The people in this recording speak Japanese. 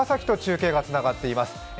長崎と中継がつながっています。